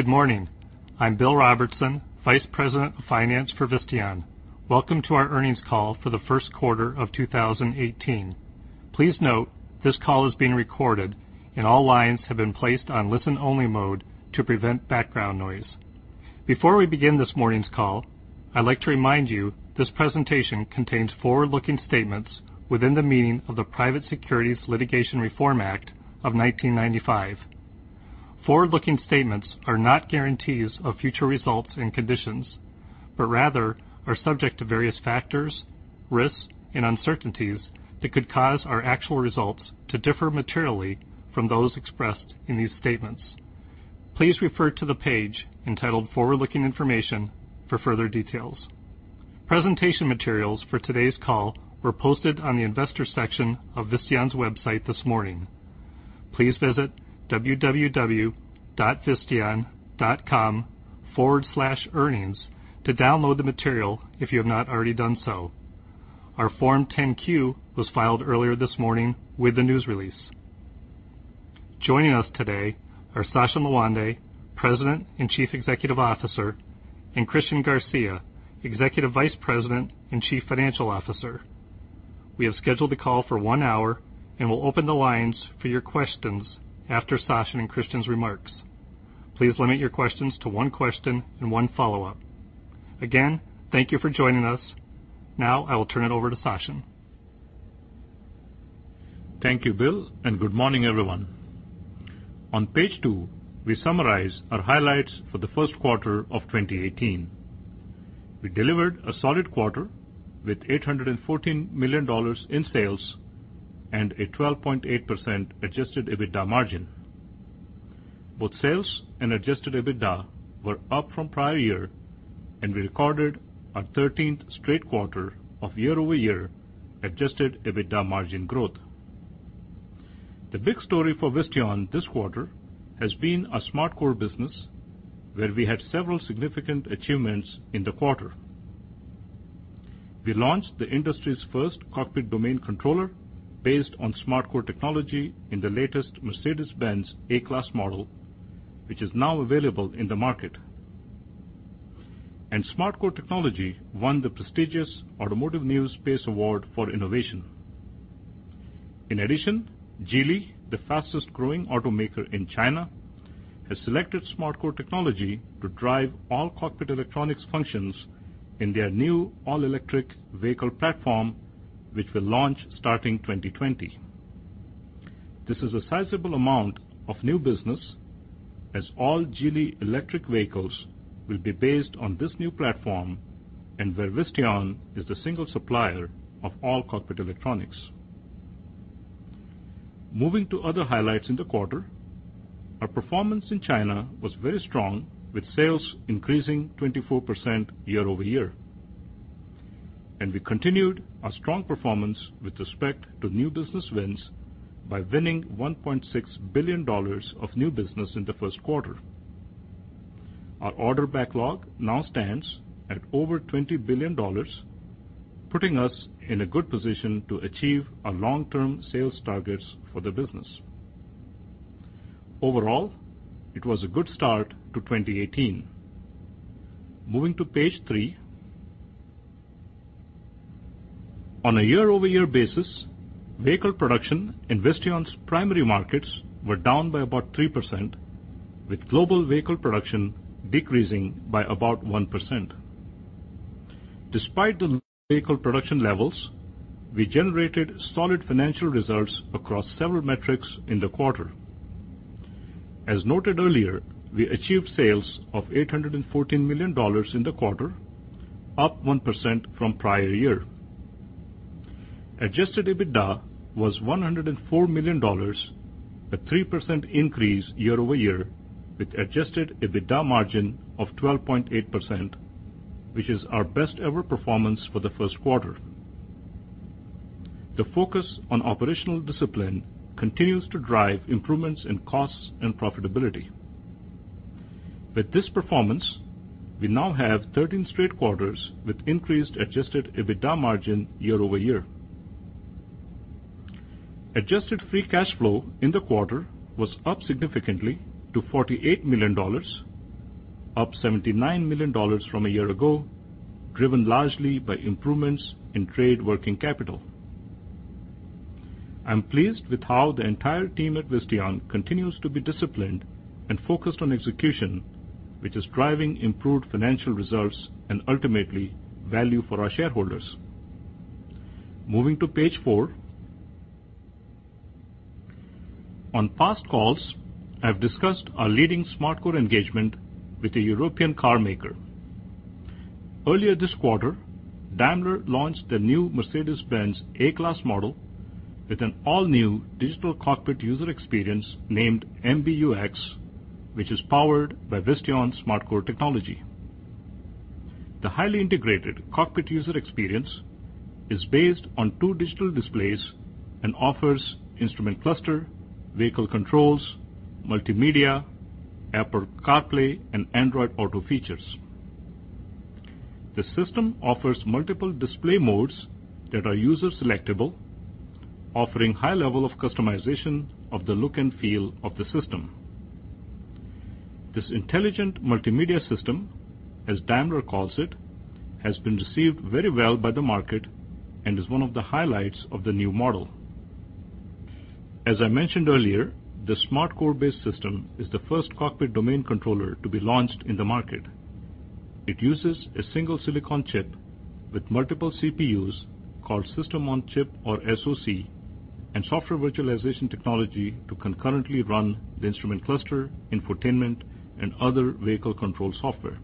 Good morning. I'm Bill Robertson, Vice President of Finance for Visteon. Welcome to our earnings call for the first quarter of 2018. Please note this call is being recorded and all lines have been placed on listen-only mode to prevent background noise. Before we begin this morning's call, I'd like to remind you this presentation contains forward-looking statements within the meaning of the Private Securities Litigation Reform Act of 1995. Forward-looking statements are not guarantees of future results and conditions, but rather are subject to various factors, risks, and uncertainties that could cause our actual results to differ materially from those expressed in these statements. Please refer to the page entitled Forward-Looking Information for further details. Presentation materials for today's call were posted on the investor section of visteon.com this morning. Please visit www.visteon.com/earnings to download the material if you have not already done so. Our Form 10-Q was filed earlier this morning with the news release. Joining us today are Sachin Lawande, President and Chief Executive Officer, and Christian Garcia, Executive Vice President and Chief Financial Officer. We have scheduled the call for one hour and will open the lines for your questions after Sachin and Christian's remarks. Please limit your questions to one question and one follow-up. Again, thank you for joining us. I will turn it over to Sachin. Thank you, Bill. Good morning, everyone. On page two, we summarize our highlights for the first quarter of 2018. We delivered a solid quarter with $814 million in sales and a 12.8% adjusted EBITDA margin. Both sales and adjusted EBITDA were up from prior year, and we recorded our 13th straight quarter of year-over-year adjusted EBITDA margin growth. The big story for Visteon this quarter has been our SmartCore business, where we had several significant achievements in the quarter. We launched the industry's first cockpit domain controller based on SmartCore technology in the latest Mercedes-Benz A-Class model, which is now available in the market. SmartCore technology won the prestigious Automotive News PACE Award for innovation. In addition, Geely, the fastest growing automaker in China, has selected SmartCore technology to drive all cockpit electronics functions in their new all-electric vehicle platform, which will launch starting 2020. This is a sizable amount of new business as all Geely electric vehicles will be based on this new platform, and where Visteon is the single supplier of all cockpit electronics. Moving to other highlights in the quarter, our performance in China was very strong, with sales increasing 24% year-over-year. We continued our strong performance with respect to new business wins by winning $1.6 billion of new business in the first quarter. Our order backlog now stands at over $20 billion, putting us in a good position to achieve our long-term sales targets for the business. Overall, it was a good start to 2018. Moving to page three. On a year-over-year basis, vehicle production in Visteon's primary markets were down by about 3%, with global vehicle production decreasing by about 1%. Despite the vehicle production levels, we generated solid financial results across several metrics in the quarter. As noted earlier, we achieved sales of $814 million in the quarter, up 1% from prior year. Adjusted EBITDA was $104 million, a 3% increase year-over-year, with adjusted EBITDA margin of 12.8%, which is our best ever performance for the first quarter. The focus on operational discipline continues to drive improvements in costs and profitability. With this performance, we now have 13 straight quarters with increased adjusted EBITDA margin year-over-year. Adjusted free cash flow in the quarter was up significantly to $48 million, up $79 million from a year ago, driven largely by improvements in trade working capital. I am pleased with how the entire team at Visteon continues to be disciplined and focused on execution, which is driving improved financial results and ultimately value for our shareholders. Moving to page four. On past calls, I have discussed our leading SmartCore engagement with a European carmaker. Earlier this quarter, Daimler launched the new Mercedes-Benz A-Class model with an all-new digital cockpit user experience named MBUX, which is powered by Visteon SmartCore technology. The highly integrated cockpit user experience is based on two digital displays and offers instrument cluster, vehicle controls, multimedia, Apple CarPlay, and Android Auto features. The system offers multiple display modes that are user-selectable, offering high level of customization of the look and feel of the system. This intelligent multimedia system, as Daimler calls it, has been received very well by the market and is one of the highlights of the new model. As I mentioned earlier, the SmartCore-based system is the first cockpit domain controller to be launched in the market. It uses a single silicon chip with multiple CPUs called system on a chip, or SoC, and software virtualization technology to concurrently run the instrument cluster, infotainment, and other vehicle control software.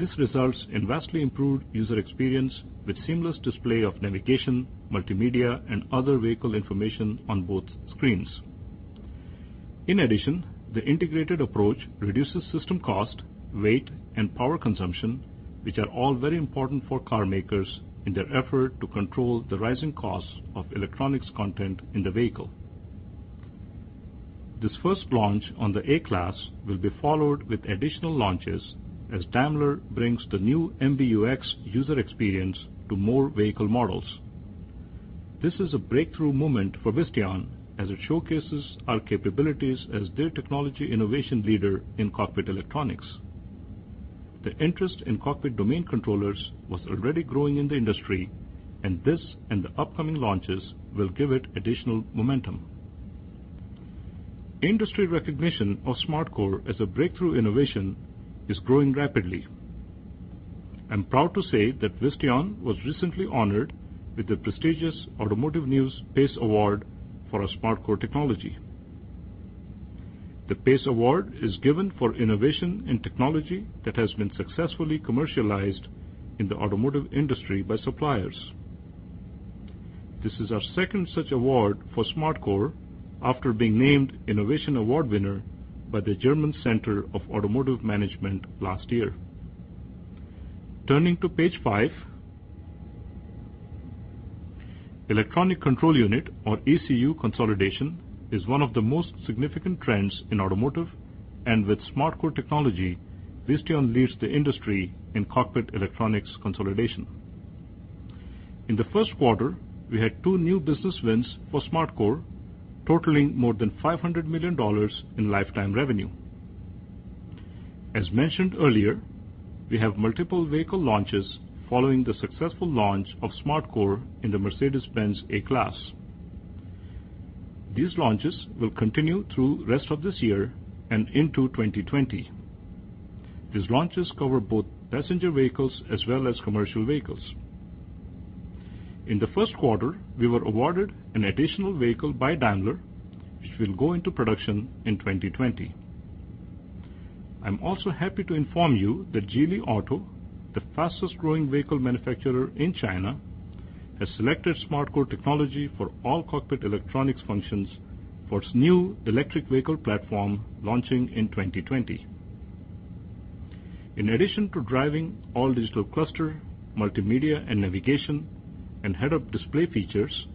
This results in vastly improved user experience with seamless display of navigation, multimedia, and other vehicle information on both screens. In addition, the integrated approach reduces system cost, weight, and power consumption, which are all very important for car makers in their effort to control the rising costs of electronics content in the vehicle. This first launch on the A-Class will be followed with additional launches as Daimler brings the new MBUX user experience to more vehicle models. This is a breakthrough moment for Visteon as it showcases our capabilities as their technology innovation leader in cockpit electronics. The interest in cockpit domain controllers was already growing in the industry, and this and the upcoming launches will give it additional momentum. Industry recognition of SmartCore as a breakthrough innovation is growing rapidly. I'm proud to say that Visteon was recently honored with the prestigious Automotive News PACE Award for our SmartCore technology. The PACE Award is given for innovation in technology that has been successfully commercialized in the automotive industry by suppliers. This is our second such award for SmartCore after being named Innovation Award winner by the German Center of Automotive Management last year. Turning to page five. Electronic control unit, or ECU, consolidation is one of the most significant trends in automotive. With SmartCore technology, Visteon leads the industry in cockpit electronics consolidation. In the first quarter, we had two new business wins for SmartCore, totaling more than $500 million in lifetime revenue. As mentioned earlier, we have multiple vehicle launches following the successful launch of SmartCore in the Mercedes-Benz A-Class. These launches will continue through rest of this year and into 2020. These launches cover both passenger vehicles as well as commercial vehicles. In the first quarter, we were awarded an additional vehicle by Daimler, which will go into production in 2020. I am also happy to inform you that Geely Auto, the fastest growing vehicle manufacturer in China, has selected SmartCore technology for all cockpit electronics functions for its new electric vehicle platform launching in 2020. In addition to driving all digital cluster, multimedia, and navigation, and head-up display features,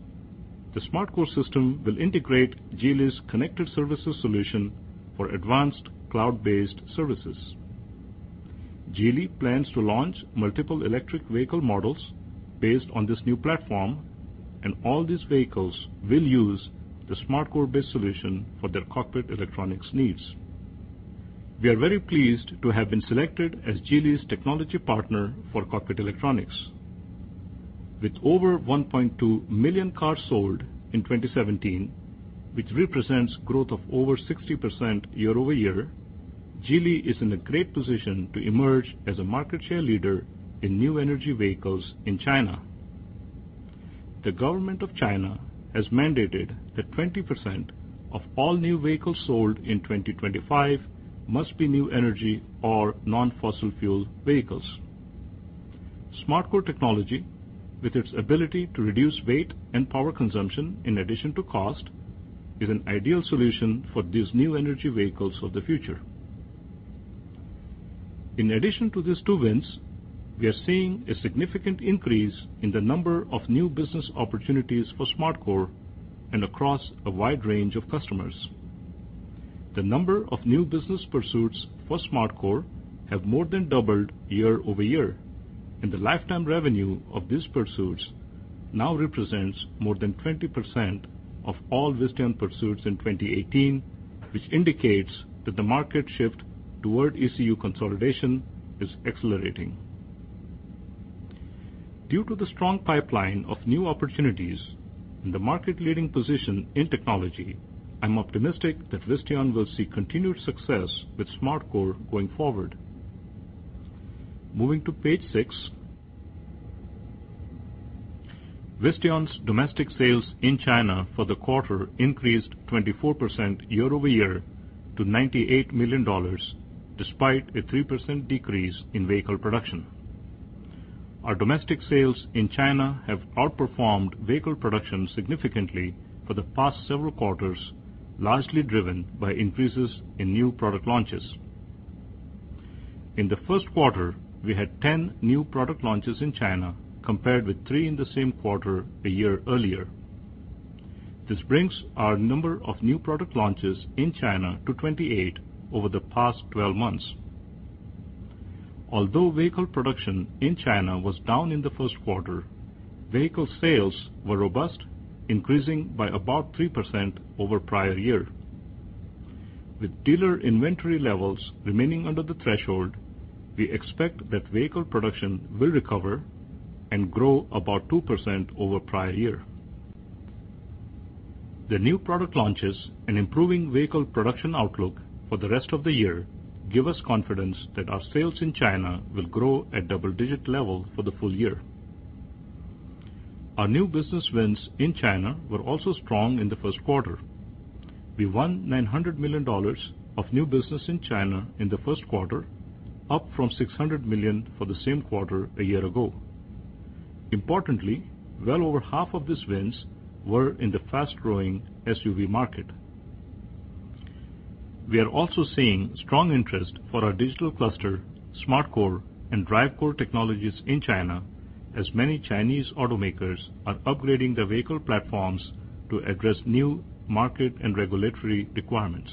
the SmartCore system will integrate Geely's connected services solution for advanced cloud-based services. Geely plans to launch multiple electric vehicle models based on this new platform, and all these vehicles will use the SmartCore base solution for their cockpit electronics needs. We are very pleased to have been selected as Geely's technology partner for cockpit electronics. With over 1.2 million cars sold in 2017, which represents growth of over 60% year-over-year, Geely is in a great position to emerge as a market share leader in new energy vehicles in China. The government of China has mandated that 20% of all new vehicles sold in 2025 must be new energy or non-fossil fuel vehicles. SmartCore technology, with its ability to reduce weight and power consumption in addition to cost, is an ideal solution for these new energy vehicles of the future. In addition to these two wins, we are seeing a significant increase in the number of new business opportunities for SmartCore and across a wide range of customers. The number of new business pursuits for SmartCore have more than doubled year-over-year, and the lifetime revenue of these pursuits now represents more than 20% of all Visteon pursuits in 2018, which indicates that the market shift toward ECU consolidation is accelerating. Due to the strong pipeline of new opportunities and the market leading position in technology, I am optimistic that Visteon will see continued success with SmartCore going forward. Moving to page six. Visteon's domestic sales in China for the quarter increased 24% year-over-year to $98 million, despite a 3% decrease in vehicle production. Our domestic sales in China have outperformed vehicle production significantly for the past several quarters, largely driven by increases in new product launches. In the first quarter, we had 10 new product launches in China, compared with three in the same quarter a year earlier. This brings our number of new product launches in China to 28 over the past 12 months. Although vehicle production in China was down in the first quarter, vehicle sales were robust, increasing by about 3% over prior year. With dealer inventory levels remaining under the threshold, we expect that vehicle production will recover and grow about 2% over prior year. The new product launches and improving vehicle production outlook for the rest of the year give us confidence that our sales in China will grow at double-digit level for the full year. Our new business wins in China were also strong in the first quarter. We won $900 million of new business in China in the first quarter, up from $600 million for the same quarter a year ago. Importantly, well over half of these wins were in the fast-growing SUV market. We are also seeing strong interest for our digital cluster, SmartCore, and DriveCore technologies in China, as many Chinese automakers are upgrading their vehicle platforms to address new market and regulatory requirements.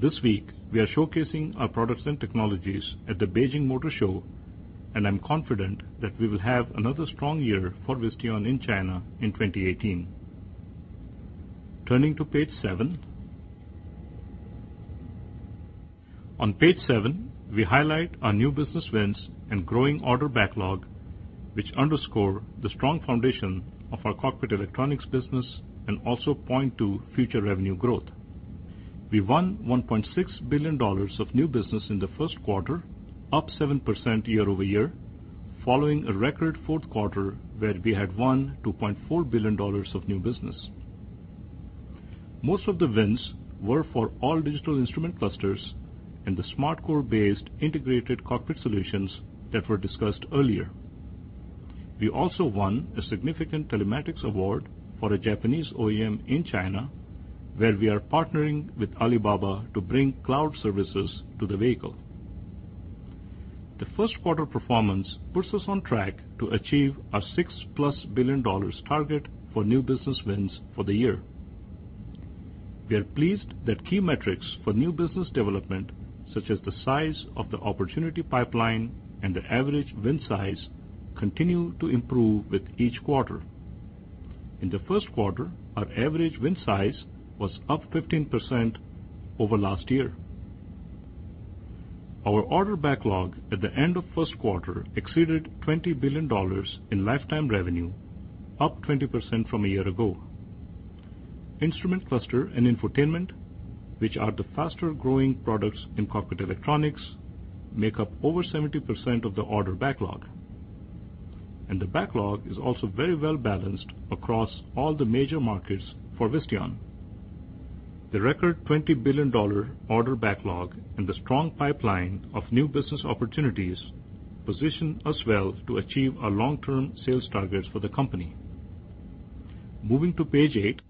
This week, we are showcasing our products and technologies at the Beijing Motor Show, and I'm confident that we will have another strong year for Visteon in China in 2018. Turning to page seven. On page seven, we highlight our new business wins and growing order backlog, which underscore the strong foundation of our cockpit electronics business and also point to future revenue growth. We won $1.6 billion of new business in the first quarter, up 7% year over year, following a record fourth quarter where we had won $2.4 billion of new business. Most of the wins were for all-digital instrument clusters and the SmartCore-based integrated cockpit solutions that were discussed earlier. We also won a significant telematics award for a Japanese OEM in China, where we are partnering with Alibaba to bring cloud services to the vehicle. The first quarter performance puts us on track to achieve our $6-plus billion target for new business wins for the year. We are pleased that key metrics for new business development, such as the size of the opportunity pipeline and the average win size, continue to improve with each quarter. In the first quarter, our average win size was up 15% over last year. Our order backlog at the end of first quarter exceeded $20 billion in lifetime revenue, up 20% from a year ago. Instrument cluster and infotainment, which are the faster-growing products in cockpit electronics, make up over 70% of the order backlog. The backlog is also very well-balanced across all the major markets for Visteon. The record $20 billion order backlog and the strong pipeline of new business opportunities position us well to achieve our long-term sales targets for the company. Moving to page eight.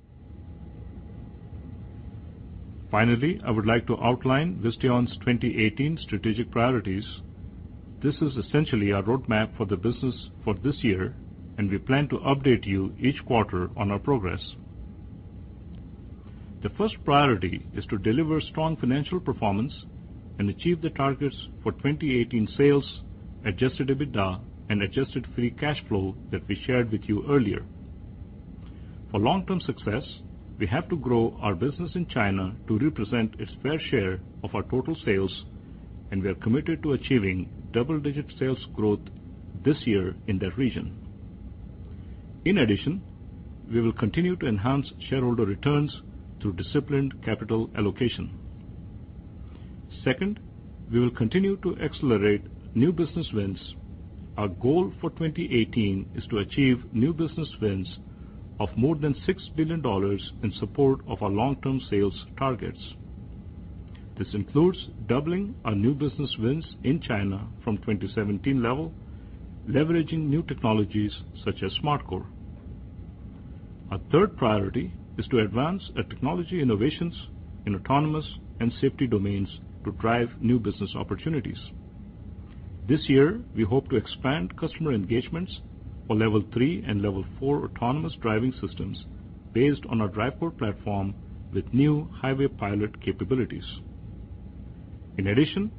Finally, I would like to outline Visteon's 2018 strategic priorities. This is essentially our roadmap for the business for this year, and we plan to update you each quarter on our progress. The first priority is to deliver strong financial performance and achieve the targets for 2018 sales, adjusted EBITDA, and adjusted free cash flow that we shared with you earlier. For long-term success, we have to grow our business in China to represent its fair share of our total sales, and we are committed to achieving double-digit sales growth this year in that region. In addition, we will continue to enhance shareholder returns through disciplined capital allocation. Second, we will continue to accelerate new business wins. Our goal for 2018 is to achieve new business wins of more than $6 billion in support of our long-term sales targets. This includes doubling our new business wins in China from 2017 level, leveraging new technologies such as SmartCore. Our third priority is to advance our technology innovations in autonomous and safety domains to drive new business opportunities. This year, we hope to expand customer engagements for Level 3 and Level 4 autonomous driving systems based on our DriveCore platform with new Highway Pilot capabilities. In addition,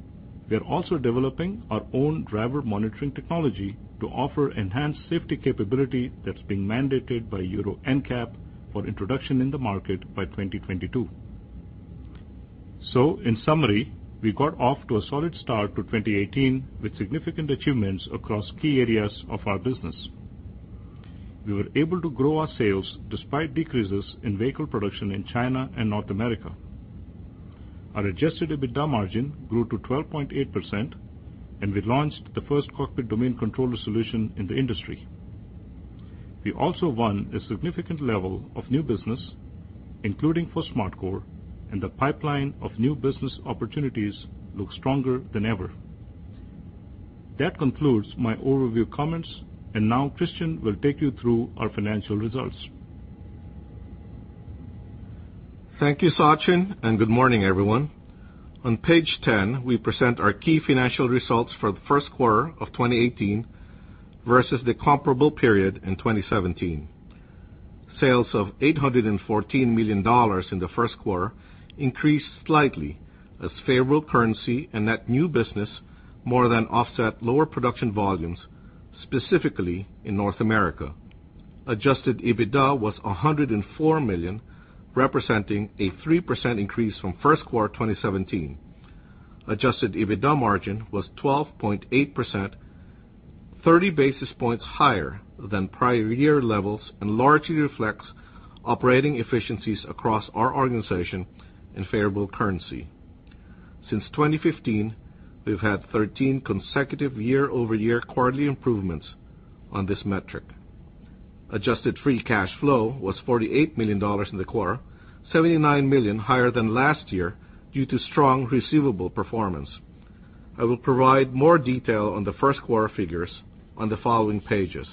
we are also developing our own driver monitoring technology to offer enhanced safety capability that's being mandated by Euro NCAP for introduction in the market by 2022. In summary, we got off to a solid start to 2018 with significant achievements across key areas of our business. We were able to grow our sales despite decreases in vehicle production in China and North America. Our adjusted EBITDA margin grew to 12.8%, and we launched the first cockpit domain controller solution in the industry. We also won a significant level of new business, including for SmartCore, and the pipeline of new business opportunities looks stronger than ever. That concludes my overview comments, and now Christian will take you through our financial results. Thank you, Sachin. Good morning, everyone. On page 10, we present our key financial results for the first quarter of 2018 versus the comparable period in 2017. Sales of $814 million in the first quarter increased slightly as favorable currency and net new business more than offset lower production volumes, specifically in North America. Adjusted EBITDA was $104 million, representing a 3% increase from first quarter 2017. Adjusted EBITDA margin was 12.8%, 30 basis points higher than prior year levels and largely reflects operating efficiencies across our organization in favorable currency. Since 2015, we've had 13 consecutive year-over-year quarterly improvements on this metric. Adjusted free cash flow was $48 million in the quarter, $79 million higher than last year due to strong receivable performance. I will provide more detail on the first quarter figures on the following pages.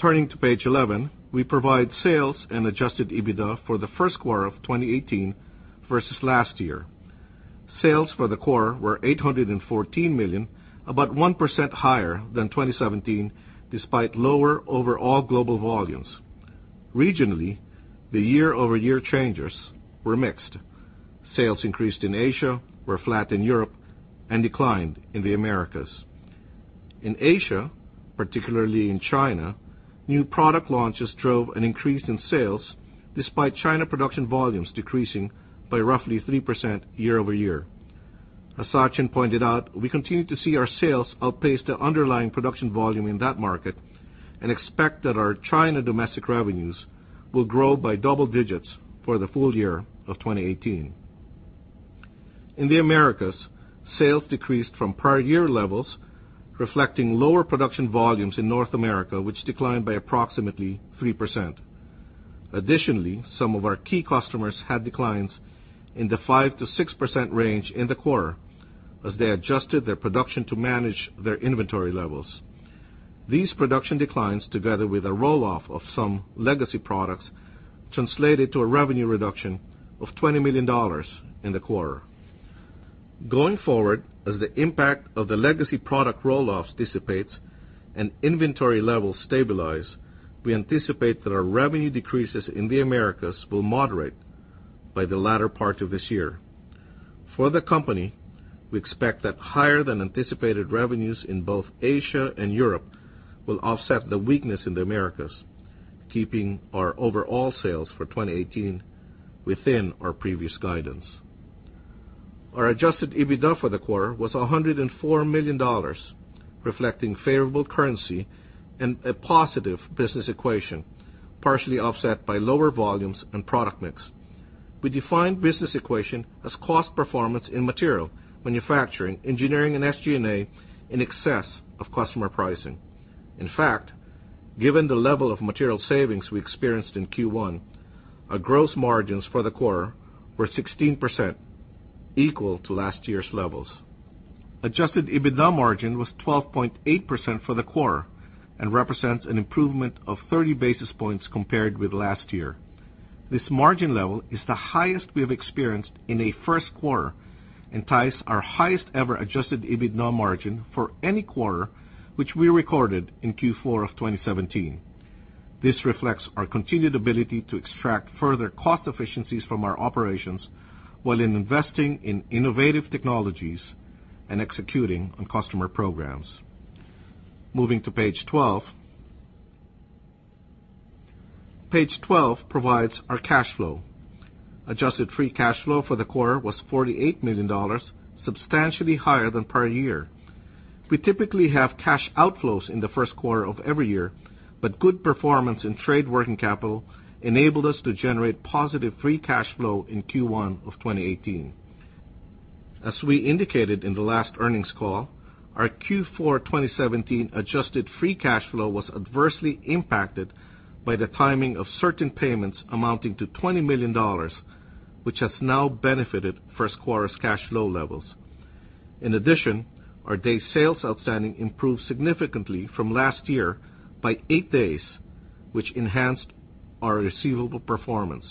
Turning to page 11, we provide sales and adjusted EBITDA for the first quarter of 2018 versus last year. Sales for the quarter were $814 million, about 1% higher than 2017, despite lower overall global volumes. Regionally, the year-over-year changes were mixed. Sales increased in Asia, were flat in Europe, and declined in the Americas. In Asia, particularly in China, new product launches drove an increase in sales despite China production volumes decreasing by roughly 3% year-over-year. As Sachin pointed out, we continue to see our sales outpace the underlying production volume in that market and expect that our China domestic revenues will grow by double digits for the full year of 2018. In the Americas, sales decreased from prior year levels, reflecting lower production volumes in North America, which declined by approximately 3%. Additionally, some of our key customers had declines in the 5%-6% range in the quarter as they adjusted their production to manage their inventory levels. These production declines, together with a roll-off of some legacy products, translated to a revenue reduction of $20 million in the quarter. Going forward, as the impact of the legacy product roll-offs dissipates and inventory levels stabilize, we anticipate that our revenue decreases in the Americas will moderate by the latter part of this year. For the company, we expect that higher than anticipated revenues in both Asia and Europe will offset the weakness in the Americas, keeping our overall sales for 2018 within our previous guidance. Our adjusted EBITDA for the quarter was $104 million, reflecting favorable currency and a positive business equation, partially offset by lower volumes and product mix. We define business equation as cost performance in material, manufacturing, engineering, and SG&A in excess of customer pricing. In fact, given the level of material savings we experienced in Q1, our gross margins for the quarter were 16%, equal to last year's levels. Adjusted EBITDA margin was 12.8% for the quarter and represents an improvement of 30 basis points compared with last year. This margin level is the highest we have experienced in a first quarter and ties our highest ever adjusted EBITDA margin for any quarter, which we recorded in Q4 of 2017. This reflects our continued ability to extract further cost efficiencies from our operations while investing in innovative technologies and executing on customer programs. Moving to page 12. Page 12 provides our cash flow. Adjusted free cash flow for the quarter was $48 million, substantially higher than prior year. We typically have cash outflows in the first quarter of every year, but good performance in trade working capital enabled us to generate positive free cash flow in Q1 of 2018. As we indicated in the last earnings call, our Q4 2017 adjusted free cash flow was adversely impacted by the timing of certain payments amounting to $20 million, which has now benefited first quarter's cash flow levels. In addition, our day sales outstanding improved significantly from last year by eight days, which enhanced our receivable performance.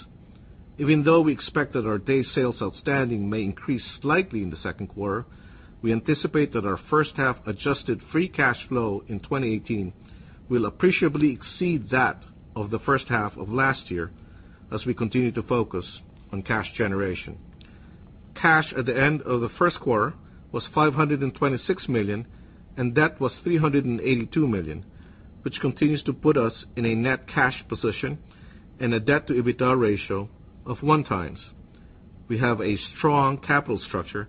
Even though we expect that our day sales outstanding may increase slightly in the second quarter, we anticipate that our first half adjusted free cash flow in 2018 will appreciably exceed that of the first half of last year as we continue to focus on cash generation. Cash at the end of the first quarter was $526 million, and debt was $382 million, which continues to put us in a net cash position and a debt to EBITDA ratio of one times. We have a strong capital structure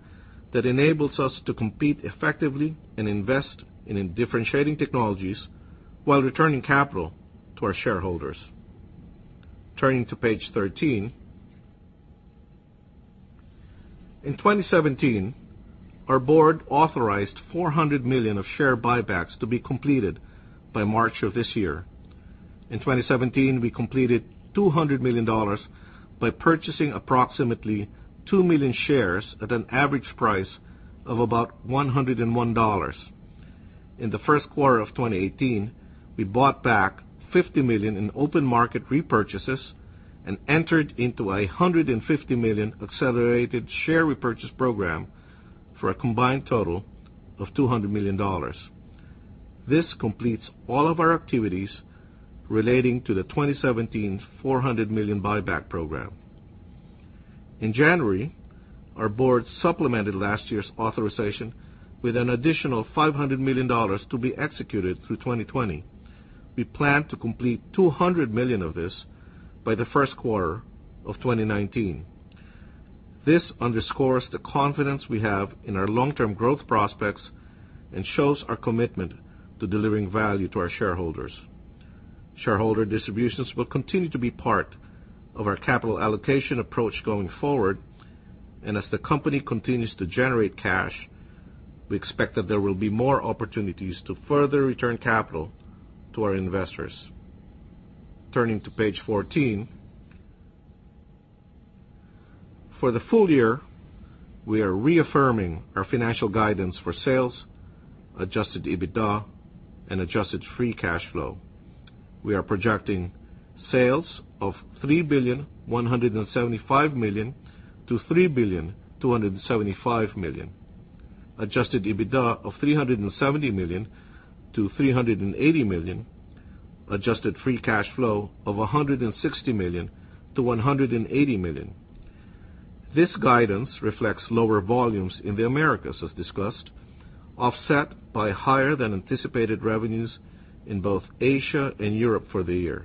that enables us to compete effectively and invest in differentiating technologies while returning capital to our shareholders. Turning to page 13. In 2017, our board authorized $400 million of share buybacks to be completed by March of this year. In 2017, we completed $200 million by purchasing approximately two million shares at an average price of about $101. In the first quarter of 2018, we bought back $50 million in open market repurchases and entered into a $150 million accelerated share repurchase program for a combined total of $200 million. This completes all of our activities relating to the 2017 $400 million buyback program. In January, our board supplemented last year's authorization with an additional $500 million to be executed through 2020. We plan to complete $200 million of this by the first quarter of 2019. This underscores the confidence we have in our long-term growth prospects and shows our commitment to delivering value to our shareholders. Shareholder distributions will continue to be part of our capital allocation approach going forward, and as the company continues to generate cash, we expect that there will be more opportunities to further return capital to our investors. Turning to page 14. For the full year, we are reaffirming our financial guidance for sales, adjusted EBITDA, and adjusted free cash flow. We are projecting sales of $3,175,000,000-$3,275,000,000, adjusted EBITDA of $370 million-$380 million, adjusted free cash flow of $160 million-$180 million. This guidance reflects lower volumes in the Americas, as discussed, offset by higher than anticipated revenues in both Asia and Europe for the year.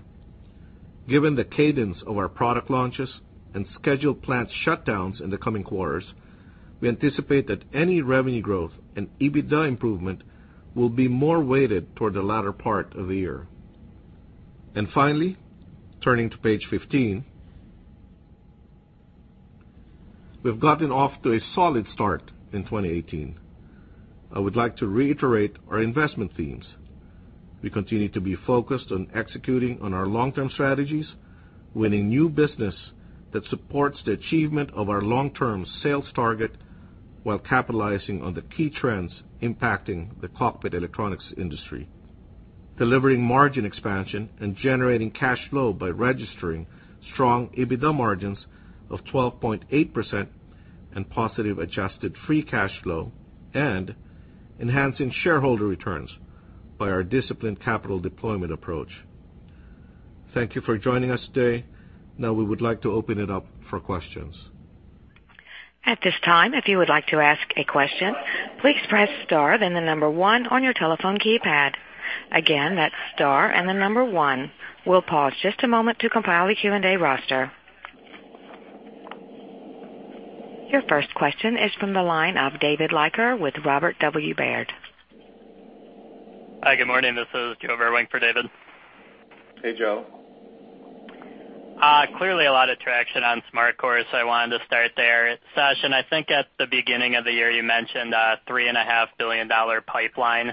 Given the cadence of our product launches and scheduled plant shutdowns in the coming quarters, we anticipate that any revenue growth and EBITDA improvement will be more weighted toward the latter part of the year. Finally, turning to page 15. We've gotten off to a solid start in 2018. I would like to reiterate our investment themes. We continue to be focused on executing on our long-term strategies, winning new business that supports the achievement of our long-term sales target while capitalizing on the key trends impacting the cockpit electronics industry, delivering margin expansion and generating cash flow by registering strong EBITDA margins of 12.8% and positive adjusted free cash flow, and enhancing shareholder returns by our disciplined capital deployment approach. Thank you for joining us today. Now we would like to open it up for questions. At this time, if you would like to ask a question, please press star then the number one on your telephone keypad. Again, that's star and the number one. We'll pause just a moment to compile the Q&A roster. Your first question is from the line of David Leiker with Robert W. Baird. Hi. Good morning. This is Joe Vruwink for David. Hey, Joe. Clearly a lot of traction on SmartCore. I wanted to start there. Sachin, I think at the beginning of the year, you mentioned a $3.5 billion pipeline.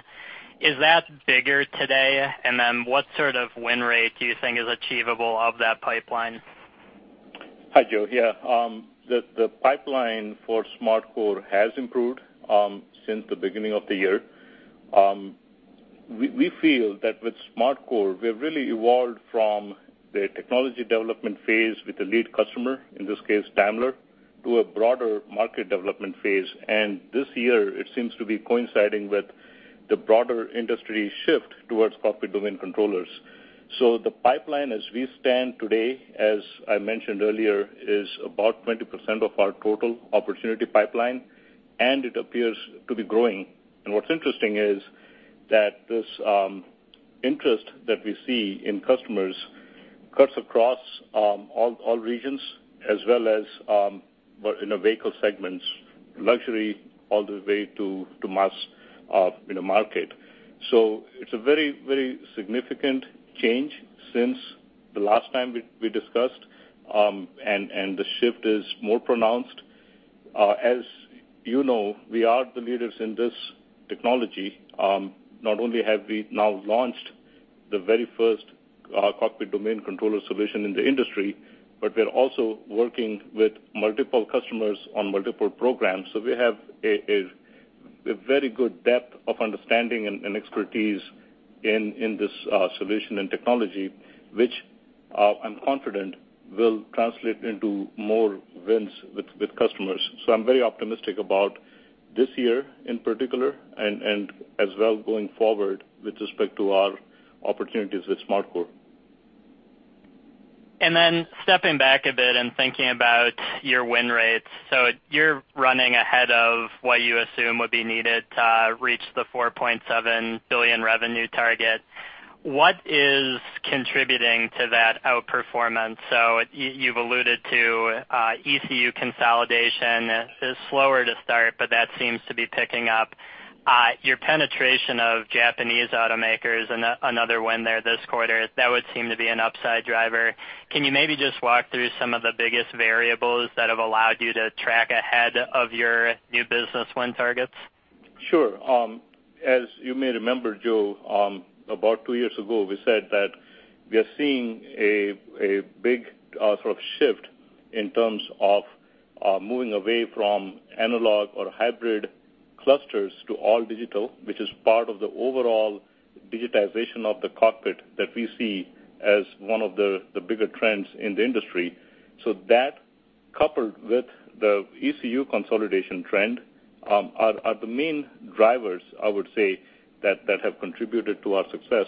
Is that bigger today? What sort of win rate do you think is achievable of that pipeline? Hi, Joe. Yeah. The pipeline for SmartCore has improved since the beginning of the year. We feel that with SmartCore, we have really evolved from the technology development phase with a lead customer, in this case, Daimler, to a broader market development phase. This year, it seems to be coinciding with the broader industry shift towards cockpit domain controllers. The pipeline as we stand today, as I mentioned earlier, is about 20% of our total opportunity pipeline, and it appears to be growing. What's interesting is that this interest that we see in customers cuts across all regions as well as in the vehicle segments, luxury all the way to mass market. It's a very significant change since the last time we discussed, and the shift is more pronounced. As you know, we are the leaders in this technology. Not only have we now launched the very first cockpit domain controller solution in the industry, but we're also working with multiple customers on multiple programs. We have a very good depth of understanding and expertise in this solution and technology, which I'm confident will translate into more wins with customers. I'm very optimistic about this year in particular and as well going forward with respect to our opportunities with SmartCore. Stepping back a bit and thinking about your win rates. You're running ahead of what you assume would be needed to reach the $4.7 billion revenue target. What is contributing to that outperformance? You've alluded to ECU consolidation is slower to start, but that seems to be picking up. Your penetration of Japanese automakers, another win there this quarter. That would seem to be an upside driver. Can you maybe just walk through some of the biggest variables that have allowed you to track ahead of your new business win targets? Sure. As you may remember, Joe, about two years ago, we said that we are seeing a big sort of shift in terms of Moving away from analog or hybrid clusters to all digital, which is part of the overall digitization of the cockpit that we see as one of the bigger trends in the industry. That, coupled with the ECU consolidation trend, are the main drivers, I would say, that have contributed to our success.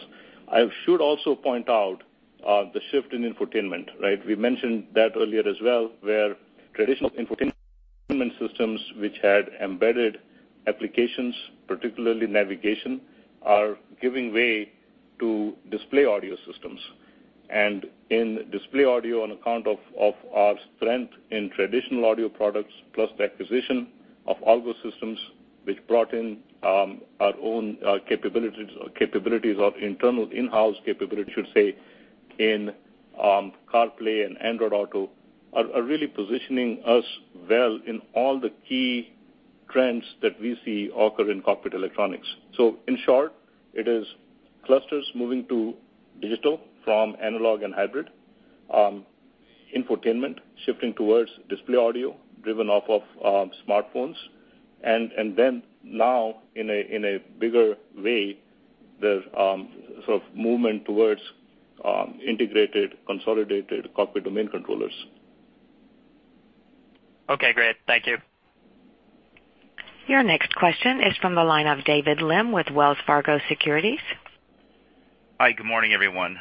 I should also point out the shift in infotainment, right? We mentioned that earlier as well, where traditional infotainment systems, which had embedded applications, particularly navigation, are giving way to display audio systems. In display audio, on account of our strength in traditional audio products, plus the acquisition of AllGo Systems, which brought in our own capabilities or internal in-house capability, I should say, in CarPlay and Android Auto, are really positioning us well in all the key trends that we see occur in cockpit electronics. In short, it is clusters moving to digital from analog and hybrid, infotainment shifting towards display audio driven off of smartphones. Now in a bigger way, there's sort of movement towards integrated, consolidated cockpit domain controllers. Okay, great. Thank you. Your next question is from the line of David Lim with Wells Fargo Securities. Hi, good morning, everyone.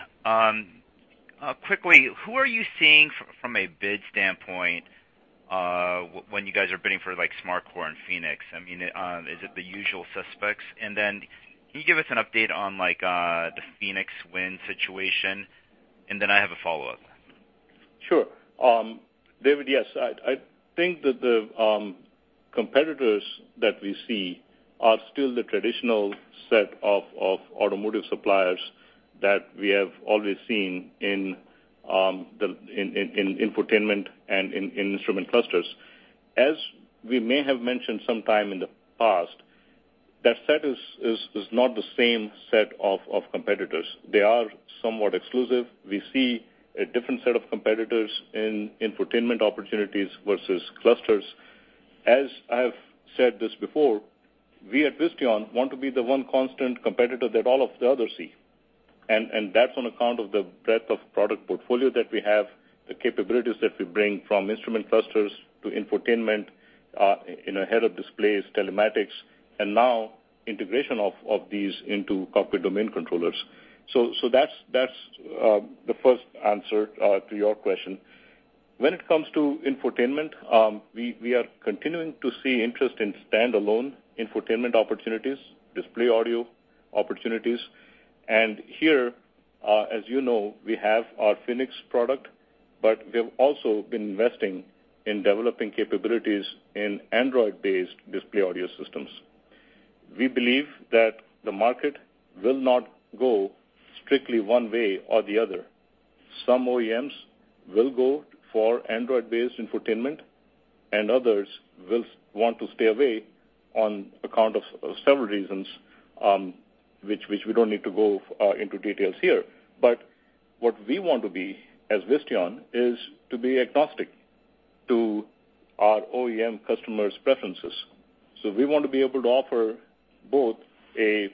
Quickly, who are you seeing from a bid standpoint, when you guys are bidding for SmartCore and Phoenix? Is it the usual suspects? Can you give us an update on the Phoenix win situation? I have a follow-up. Sure. David, yes, I think that the competitors that we see are still the traditional set of automotive suppliers that we have always seen in infotainment and in instrument clusters. As we may have mentioned sometime in the past, that set is not the same set of competitors. They are somewhat exclusive. We see a different set of competitors in infotainment opportunities versus clusters. As I have said this before, we at Visteon want to be the one constant competitor that all of the others see. That's on account of the breadth of product portfolio that we have, the capabilities that we bring from instrument clusters to infotainment, head-up displays, telematics, and now integration of these into cockpit domain controllers. That's the first answer to your question. When it comes to infotainment, we are continuing to see interest in standalone infotainment opportunities, display audio opportunities. Here, as you know, we have our Phoenix product, but we have also been investing in developing capabilities in Android-based display audio systems. We believe that the market will not go strictly one way or the other. Some OEMs will go for Android-based infotainment, and others will want to stay away on account of several reasons, which we don't need to go into details here. What we want to be, as Visteon, is to be agnostic to our OEM customers' preferences. We want to be able to offer both a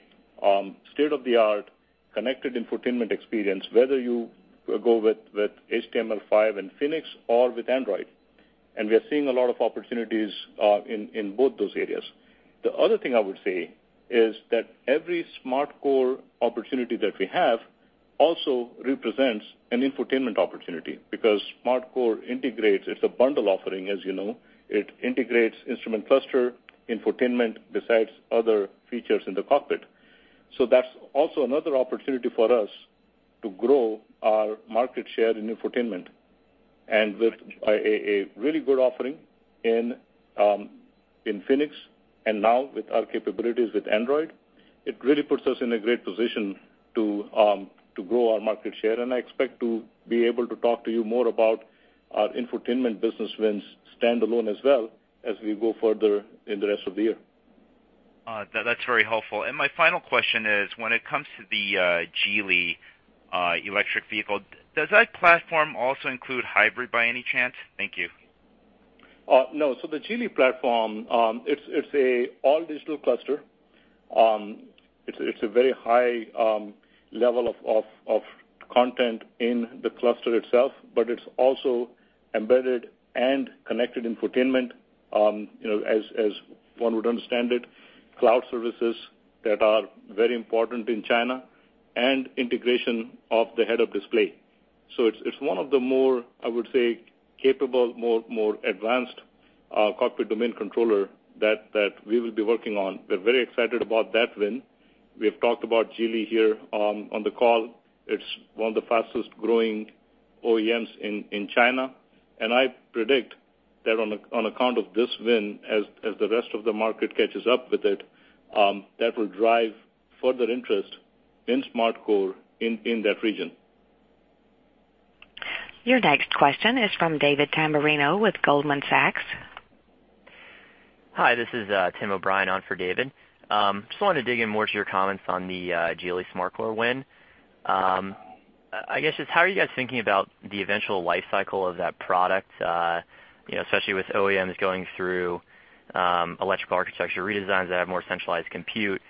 state-of-the-art connected infotainment experience, whether you go with HTML5 and Phoenix or with Android. We are seeing a lot of opportunities in both those areas. The other thing I would say is that every SmartCore opportunity that we have also represents an infotainment opportunity because SmartCore integrates, it's a bundle offering, as you know. It integrates instrument cluster, infotainment, besides other features in the cockpit. That's also another opportunity for us to grow our market share in infotainment. With a really good offering in Phoenix and now with our capabilities with Android, it really puts us in a great position to grow our market share. I expect to be able to talk to you more about our infotainment business wins standalone as well as we go further in the rest of the year. That's very helpful. My final question is, when it comes to the Geely electric vehicle, does that platform also include hybrid by any chance? Thank you. No. The Geely platform, it's an all-digital cluster. It's a very high level of content in the cluster itself, but it's also embedded and connected infotainment, as one would understand it, cloud services that are very important in China, and integration of the head-up display. It's one of the more, I would say, capable, more advanced cockpit domain controller that we will be working on. We're very excited about that win. We have talked about Geely here on the call. It's one of the fastest-growing OEMs in China. I predict that on account of this win, as the rest of the market catches up with it, that will drive further interest in SmartCore in that region. Your next question is from David Tamberrino with Goldman Sachs. Hi, this is Tim O'Brien on for David. Just wanted to dig in more to your comments on the Geely SmartCore win. I guess, just how are you guys thinking about the eventual life cycle of that product, especially with OEMs going through electrical architecture redesigns that have more centralized compute?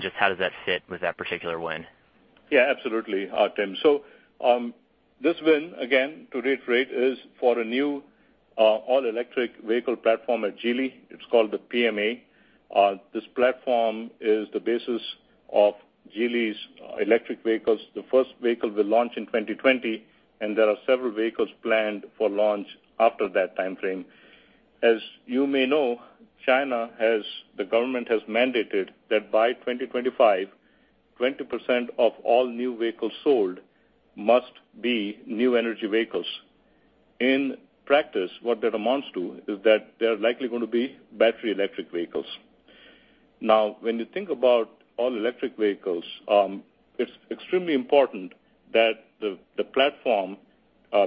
Just how does that fit with that particular win? Yeah, absolutely, Tim. This win, again, to reiterate, is for a new all-electric vehicle platform at Geely. It's called the PMA. This platform is the basis of Geely's electric vehicles. The first vehicle will launch in 2020, and there are several vehicles planned for launch after that timeframe. As you may know, China, the government has mandated that by 2025, 20% of all new vehicles sold must be new energy vehicles. In practice, what that amounts to is that they're likely going to be battery electric vehicles. Now, when you think about all-electric vehicles, it's extremely important that the platform,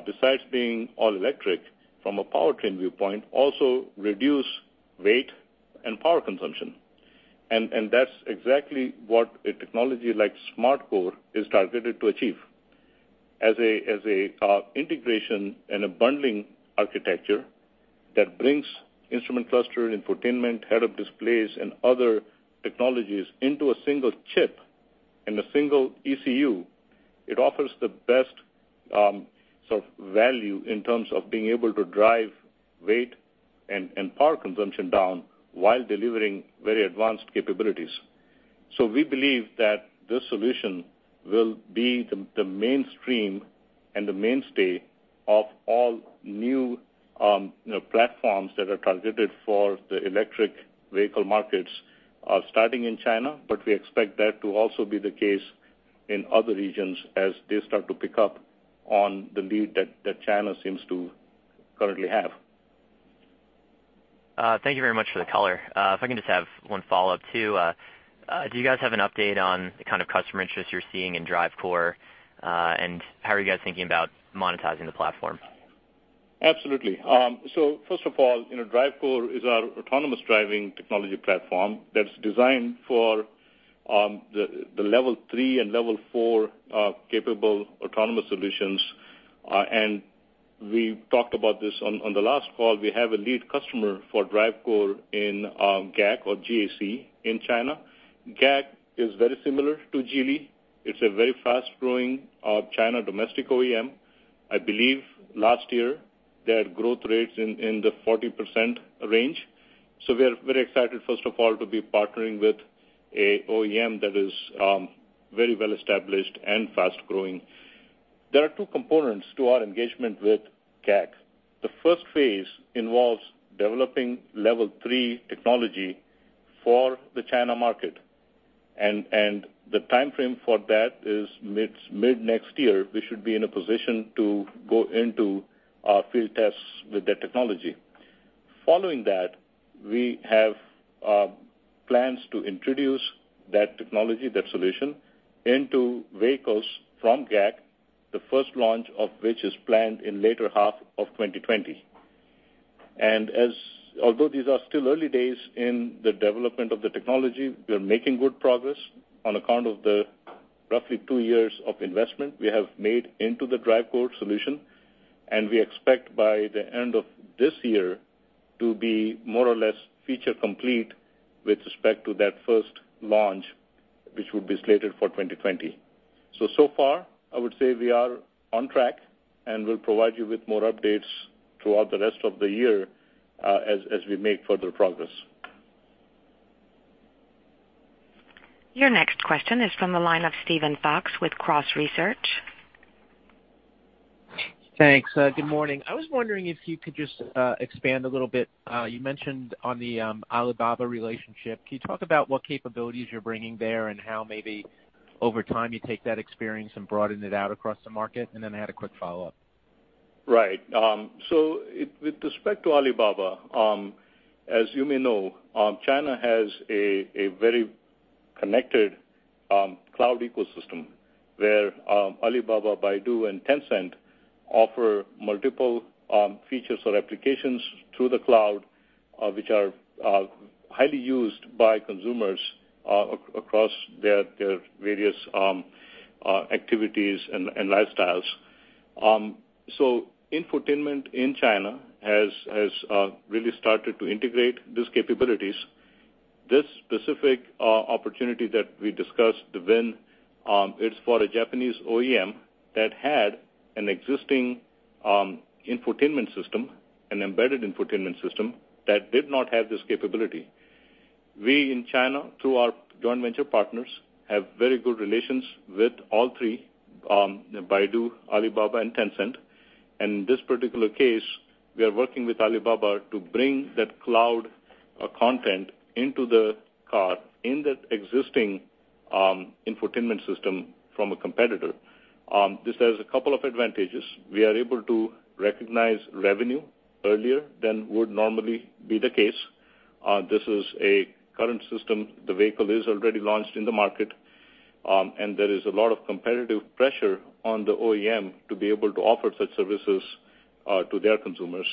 besides being all electric from a powertrain viewpoint, also reduce weight and power consumption. That's exactly what a technology like SmartCore is targeted to achieve. As a integration and a bundling architecture that brings instrument cluster, infotainment, head-up displays, and other technologies into a single chip in a single ECU, it offers the best value in terms of being able to drive weight and power consumption down while delivering very advanced capabilities. We believe that this solution will be the mainstream and the mainstay of all new platforms that are targeted for the electric vehicle markets, starting in China, but we expect that to also be the case in other regions as they start to pick up on the lead that China seems to currently have. Thank you very much for the color. If I can just have one follow-up, too. Do you guys have an update on the kind of customer interest you're seeing in DriveCore? How are you guys thinking about monetizing the platform? Absolutely. First of all, DriveCore is our autonomous driving technology platform that's designed for the level 3 and level 4 capable autonomous solutions. We talked about this on the last call, we have a lead customer for DriveCore in GAC or G-A-C in China. GAC is very similar to Geely. It's a very fast-growing China domestic OEM. I believe last year, their growth rate's in the 40% range. We are very excited, first of all, to be partnering with an OEM that is very well-established and fast-growing. There are two components to our engagement with GAC. The first phase involves developing level 3 technology for the China market, the timeframe for that is mid next year, we should be in a position to go into field tests with that technology. Following that, we have plans to introduce that technology, that solution, into vehicles from GAC, the first launch of which is planned in later half of 2020. Although these are still early days in the development of the technology, we are making good progress on account of the roughly two years of investment we have made into the DriveCore solution. We expect by the end of this year to be more or less feature complete with respect to that first launch, which will be slated for 2020. So far, I would say we are on track, we'll provide you with more updates throughout the rest of the year as we make further progress. Your next question is from the line of Steven Fox with Cross Research. Thanks. Good morning. I was wondering if you could just expand a little bit. You mentioned on the Alibaba relationship, can you talk about what capabilities you're bringing there and how maybe over time you take that experience and broaden it out across the market? I had a quick follow-up. Right. With respect to Alibaba, as you may know, China has a very connected cloud ecosystem where Alibaba, Baidu, and Tencent offer multiple features or applications through the cloud, which are highly used by consumers across their various activities and lifestyles. Infotainment in China has really started to integrate these capabilities. This specific opportunity that we discussed, the win, it's for a Japanese OEM that had an existing infotainment system, an embedded infotainment system, that did not have this capability. We, in China, through our joint venture partners, have very good relations with all three, Baidu, Alibaba, and Tencent. In this particular case, we are working with Alibaba to bring that cloud content into the car in that existing infotainment system from a competitor. This has a couple of advantages. We are able to recognize revenue earlier than would normally be the case. This is a current system. The vehicle is already launched in the market. There is a lot of competitive pressure on the OEM to be able to offer such services to their consumers.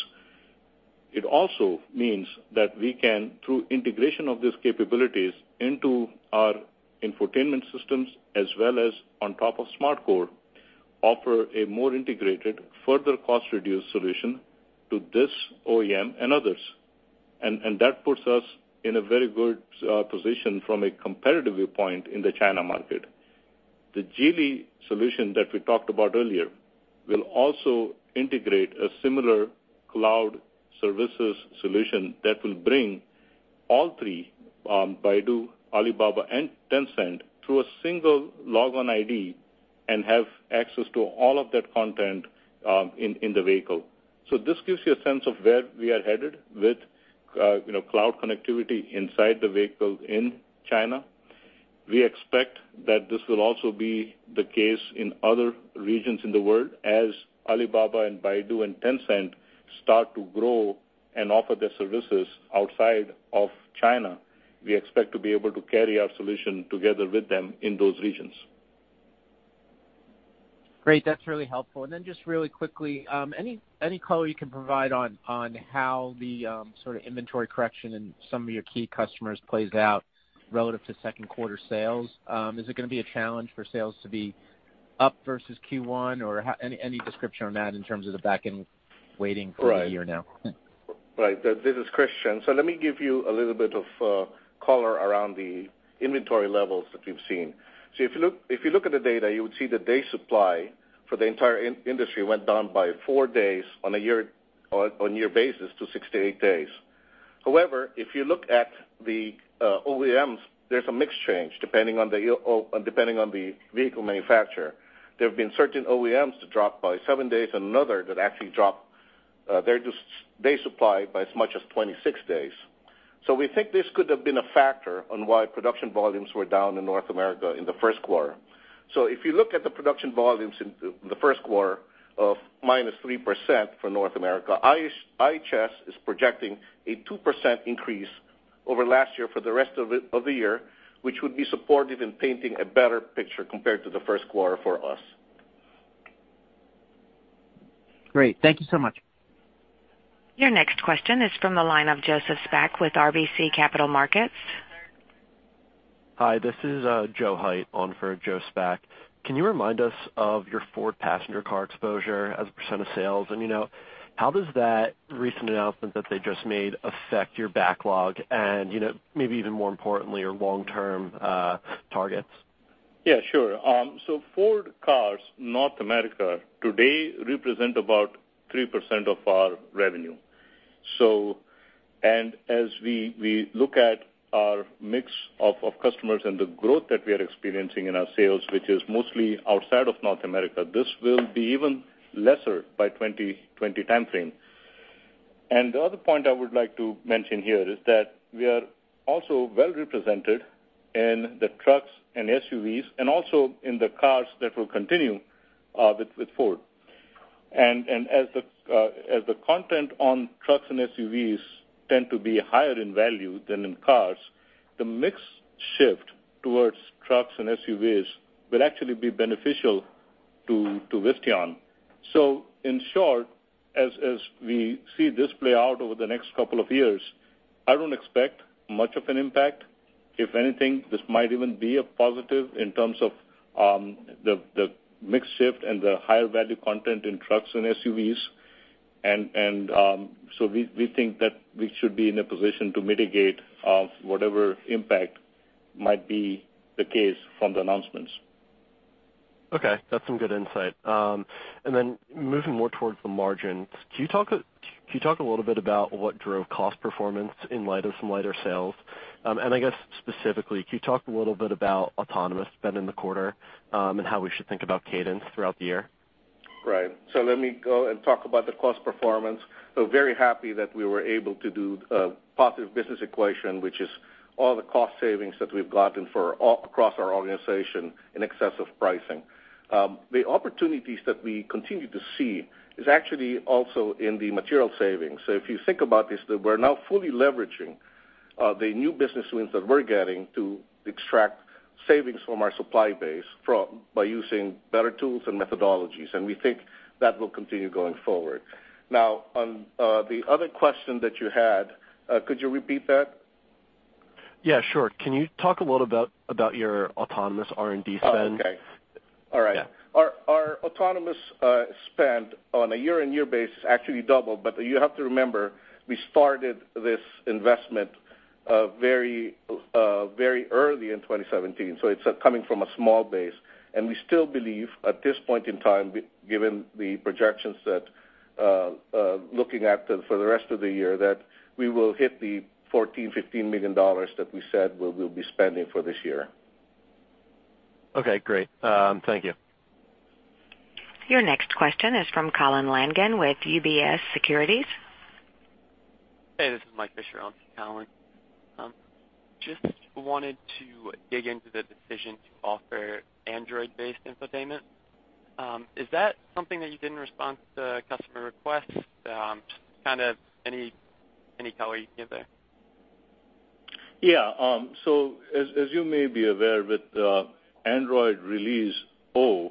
It also means that we can, through integration of these capabilities into our infotainment systems, as well as on top of SmartCore, offer a more integrated, further cost-reduced solution to this OEM and others. That puts us in a very good position from a competitive viewpoint in the China market. The Geely solution that we talked about earlier will also integrate a similar cloud services solution that will bring all three, Baidu, Alibaba, and Tencent, through a single logon ID and have access to all of that content in the vehicle. This gives you a sense of where we are headed with cloud connectivity inside the vehicle in China. We expect that this will also be the case in other regions in the world. As Alibaba and Baidu and Tencent start to grow and offer their services outside of China, we expect to be able to carry our solution together with them in those regions. Great. That's really helpful. Just really quickly, any color you can provide on how the inventory correction in some of your key customers plays out relative to second quarter sales? Is it gonna be a challenge for sales to be up versus Q1? Any description on that in terms of the back end waiting for the year now? Right. This is Christian. Let me give you a little bit of color around the inventory levels that we've seen. If you look at the data, you would see the day supply for the entire industry went down by four days on year basis to 68 days. However, if you look at the OEMs, there's a mix change, depending on the vehicle manufacturer. There have been certain OEMs that dropped by seven days, and another that actually dropped their day supply by as much as 26 days. We think this could have been a factor on why production volumes were down in North America in the first quarter. If you look at the production volumes in the first quarter of minus 3% for North America, IHS is projecting a 2% increase over last year for the rest of the year, which would be supportive in painting a better picture compared to the first quarter for us. Great. Thank you so much. Your next question is from the line of Joseph Spak with RBC Capital Markets. Hi, this is Joe Haidt on for Joe Spak. Can you remind us of your Ford passenger car exposure as a 3% of sales? How does that recent announcement that they just made affect your backlog and maybe even more importantly, your long-term targets? Yeah, sure. Ford cars, North America today represent about 3% of our revenue. As we look at our mix of customers and the growth that we are experiencing in our sales, which is mostly outside of North America, this will be even lesser by 2020 timeframe. The other point I would like to mention here is that we are also well-represented in the trucks and SUVs and also in the cars that will continue with Ford. As the content on trucks and SUVs tend to be higher in value than in cars, the mix shift towards trucks and SUVs will actually be beneficial to Visteon. In short, as we see this play out over the next couple of years, I don't expect much of an impact. If anything, this might even be a positive in terms of the mix shift and the higher value content in trucks and SUVs. We think that we should be in a position to mitigate of whatever impact might be the case from the announcements. Okay, that's some good insight. Then moving more towards the margins, can you talk a little bit about what drove cost performance in light of some lighter sales? I guess specifically, can you talk a little bit about autonomous spend in the quarter, and how we should think about cadence throughout the year? Right. Let me go and talk about the cost performance. Very happy that we were able to do a positive business equation, which is all the cost savings that we've gotten across our organization in excess of pricing. The opportunities that we continue to see is actually also in the material savings. If you think about this, that we're now fully leveraging the new business wins that we're getting to extract savings from our supply base by using better tools and methodologies. We think that will continue going forward. Now on the other question that you had, could you repeat that? Yeah, sure. Can you talk a little about your autonomous R&D spend? Oh, okay. All right. Yeah. Our autonomous spend on a year-on-year basis actually doubled, you have to remember, we started this investment very early in 2017, it's coming from a small base. We still believe at this point in time, given the projections that looking at for the rest of the year, that we will hit the $14 million-$15 million that we said we will be spending for this year. Okay, great. Thank you. Your next question is from Colin Langan with UBS Securities. Hey, this is Mike Fisher on for Colin. Just wanted to dig into the decision to offer Android-based infotainment. Is that something that you did in response to customer requests? Any color you can give there? As you may be aware, with Android Oreo,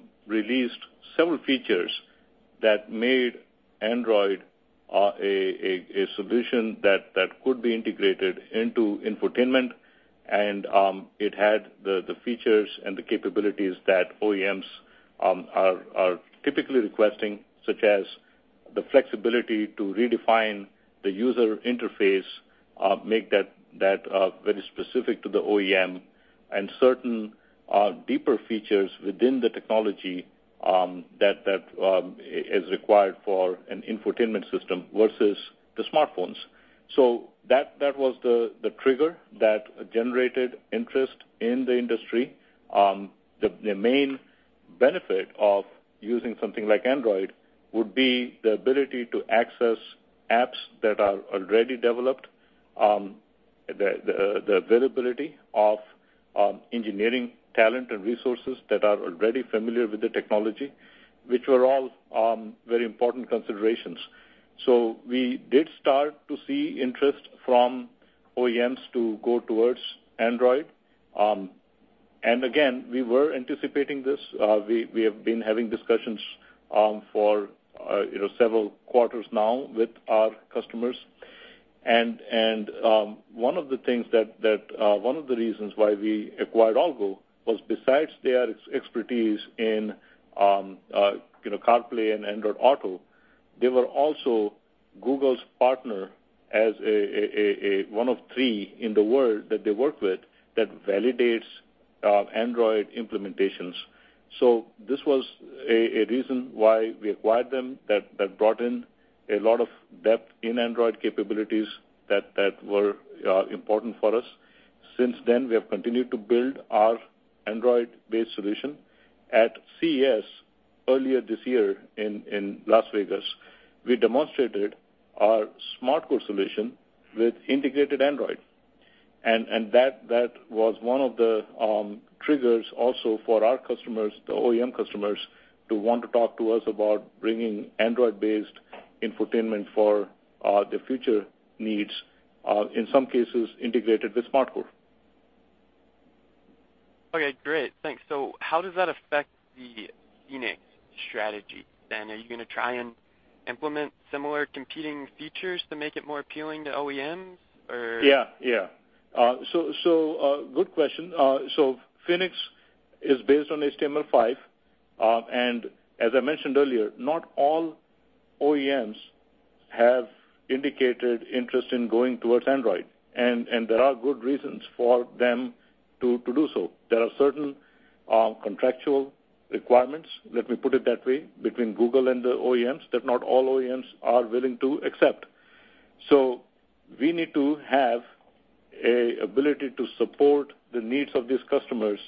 Google released several features that made Android a solution that could be integrated into infotainment. It had the features and the capabilities that OEMs are typically requesting, such as the flexibility to redefine the user interface, make that very specific to the OEM, and certain deeper features within the technology that is required for an infotainment system versus the smartphones. That was the trigger that generated interest in the industry. The main benefit of using something like Android would be the ability to access apps that are already developed, the availability of engineering talent and resources that are already familiar with the technology, which were all very important considerations. We did start to see interest from OEMs to go towards Android. Again, we were anticipating this. We have been having discussions for several quarters now with our customers. One of the reasons why we acquired AllGo was besides their expertise in CarPlay and Android Auto, they were also Google's partner as one of three in the world that they work with that validates Android implementations. This was a reason why we acquired them, that brought in a lot of depth in Android capabilities that were important for us. Since then, we have continued to build our Android-based solution. At CES earlier this year in Las Vegas, we demonstrated our SmartCore solution with integrated Android. That was one of the triggers also for our customers, the OEM customers, to want to talk to us about bringing Android-based infotainment for their future needs, in some cases, integrated with SmartCore. Great. Thanks. How does that affect the Phoenix strategy then? Are you going to try and implement similar competing features to make it more appealing to OEMs or- Good question. Phoenix is based on HTML5. As I mentioned earlier, not all OEMs have indicated interest in going towards Android. There are good reasons for them to do so. There are certain contractual requirements, let me put it that way, between Google and the OEMs that not all OEMs are willing to accept. We need to have an ability to support the needs of these customers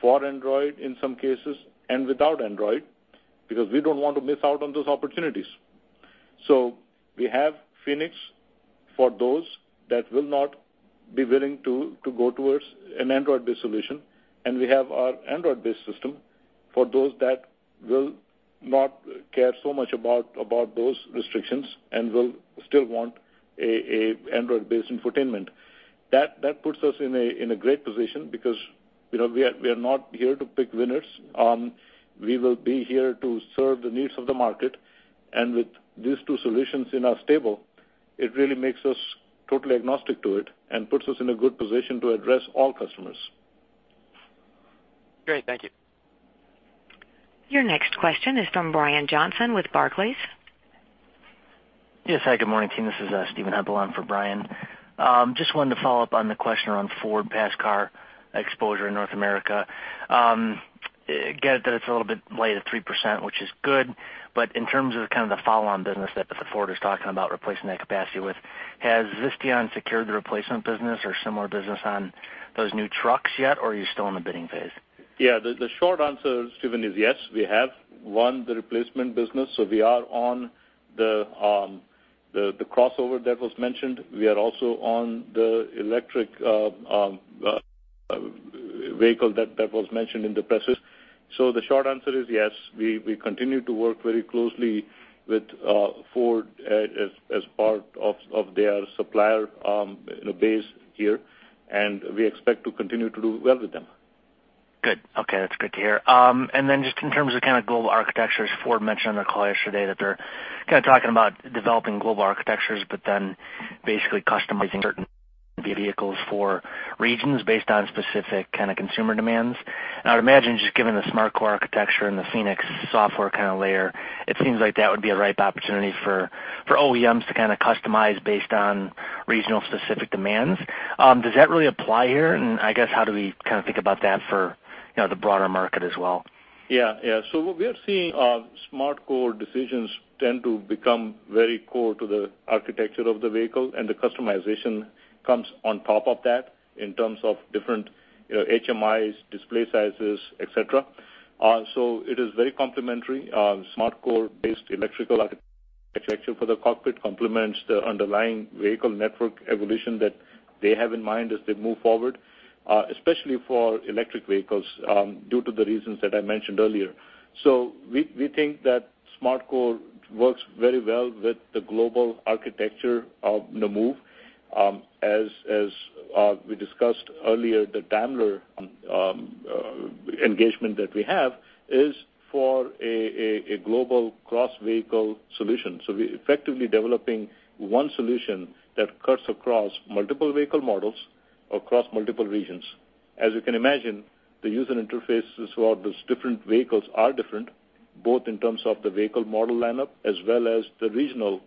for Android in some cases, and without Android, because we don't want to miss out on those opportunities. We have Phoenix for those that will not be willing to go towards an Android-based solution, and we have our Android-based system for those that will not care so much about those restrictions and will still want an Android-based infotainment. That puts us in a great position because we are not here to pick winners. We will be here to serve the needs of the market. With these two solutions in our stable, it really makes us totally agnostic to it and puts us in a good position to address all customers. Great. Thank you. Your next question is from Brian Johnson with Barclays. Yes, hi, good morning, team. This is Steven Hempel on for Brian. Just wanted to follow up on the question around FordPass car exposure in North America. Get it that it's a little bit light at 3%, which is good. In terms of kind of the follow-on business that Ford is talking about replacing that capacity with, has Visteon secured the replacement business or similar business on those new trucks yet, or are you still in the bidding phase? The short answer, Steven, is yes, we have won the replacement business, so we are on the crossover that was mentioned. We are also on the electric vehicle that was mentioned in the press. The short answer is yes. We continue to work very closely with Ford as part of their supplier base here, we expect to continue to do well with them. Good. Okay. That's good to hear. Just in terms of kind of global architectures, Ford mentioned on the call yesterday that they're kind of talking about developing global architectures, but then basically customizing certain vehicles for regions based on specific kind of consumer demands. I would imagine just given the SmartCore architecture and the Phoenix software kind of layer, it seems like that would be a ripe opportunity for OEMs to kind of customize based on regional specific demands. Does that really apply here? I guess how do we kind of think about that for the broader market as well? What we are seeing, SmartCore decisions tend to become very core to the architecture of the vehicle and the customization comes on top of that in terms of different HMIs, display sizes, et cetera. It is very complementary. SmartCore based electrical architecture for the cockpit complements the underlying vehicle network evolution that they have in mind as they move forward, especially for electric vehicles, due to the reasons that I mentioned earlier. We think that SmartCore works very well with the global architecture of the move. As we discussed earlier, the Daimler engagement that we have is for a global cross-vehicle solution. We're effectively developing one solution that cuts across multiple vehicle models across multiple regions. As you can imagine, the user interfaces for all those different vehicles are different, both in terms of the vehicle model lineup as well as the regional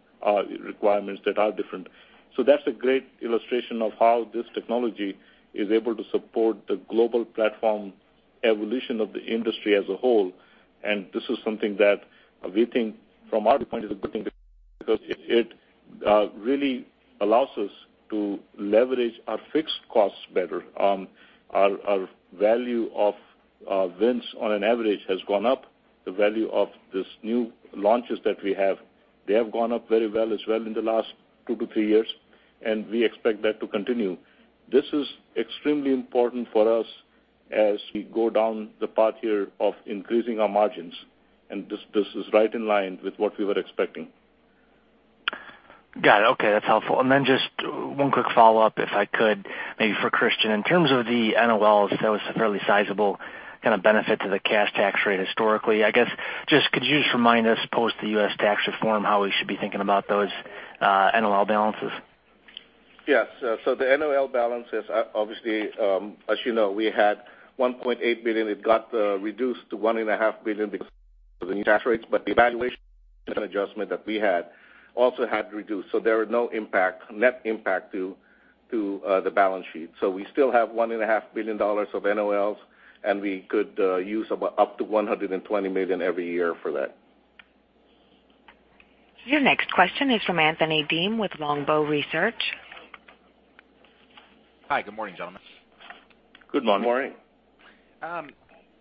requirements that are different. That's a great illustration of how this technology is able to support the global platform evolution of the industry as a whole. This is something that we think, from our point, is a good thing because it really allows us to leverage our fixed costs better. Our value of wins on an average has gone up. The value of these new launches that we have, they have gone up very well as well in the last two to three years, we expect that to continue. This is extremely important for us as we go down the path here of increasing our margins, this is right in line with what we were expecting. Got it. Okay, that's helpful. Just one quick follow-up, if I could, maybe for Christian Garcia. In terms of the NOLs, that was a fairly sizable benefit to the cash tax rate historically. Could you just remind us post the U.S. tax reform how we should be thinking about those NOL balances? The NOL balances, we had $1.8 billion. It got reduced to $1.5 billion because of the new cash rates, but the valuation adjustment that we had also had reduced. There was no net impact to the balance sheet. We still have $1.5 billion of NOLs, and we could use up to $120 million every year for that. Your next question is from Anthony Deem with Longbow Research. Hi, good morning, gentlemen. Good morning. Morning.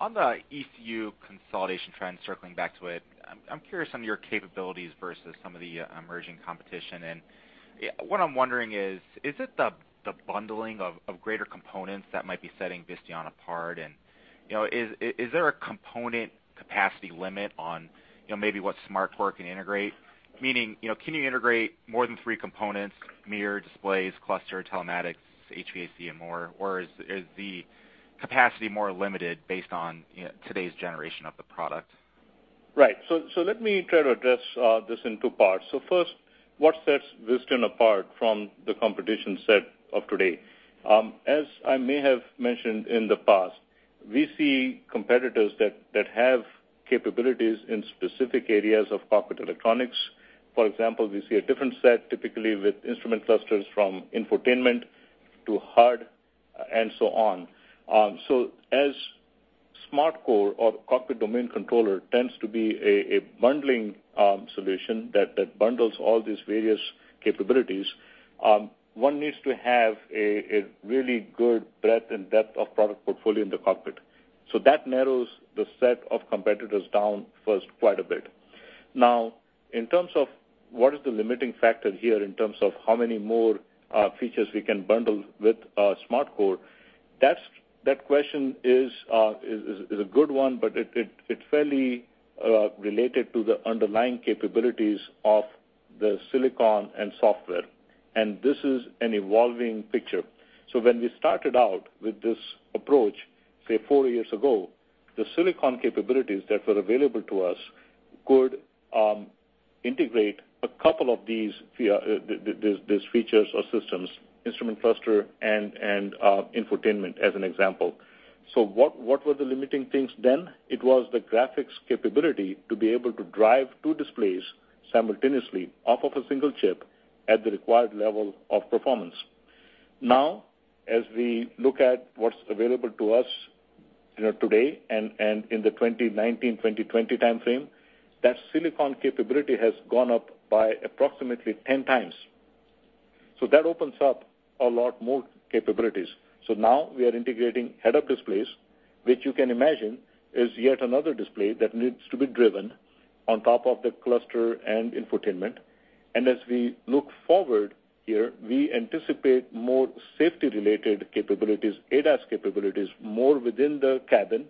On the ECU consolidation trend, circling back to it, I'm curious on your capabilities versus some of the emerging competition. What I'm wondering is it the bundling of greater components that might be setting Visteon apart? Is there a component capacity limit on maybe what SmartCore can integrate? Meaning, can you integrate more than three components, mirror displays, cluster telematics, HVAC and more? Or is the capacity more limited based on today's generation of the product? Right. Let me try to address this in two parts. First, what sets Visteon apart from the competition set of today? As I may have mentioned in the past, we see competitors that have capabilities in specific areas of cockpit electronics. For example, we see a different set typically with instrument clusters from infotainment to HUD and so on. As SmartCore or cockpit domain controller tends to be a bundling solution that bundles all these various capabilities, one needs to have a really good breadth and depth of product portfolio in the cockpit. That narrows the set of competitors down first quite a bit. Now, in terms of what is the limiting factor here in terms of how many more features we can bundle with SmartCore, that question is a good one, but it's fairly related to the underlying capabilities of the silicon and software. This is an evolving picture. When we started out with this approach, say four years ago, the silicon capabilities that were available to us could integrate a couple of these features or systems, instrument cluster and infotainment, as an example. What were the limiting things then? It was the graphics capability to be able to drive two displays simultaneously off of a single chip at the required level of performance. As we look at what's available to us today and in the 2019, 2020 timeframe, that silicon capability has gone up by approximately 10 times. That opens up a lot more capabilities. Now we are integrating head-up displays, which you can imagine is yet another display that needs to be driven on top of the cluster and infotainment. As we look forward here, we anticipate more safety-related capabilities, ADAS capabilities, more within the cabin